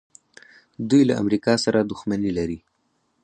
دوی له امریکا سره دښمني لري.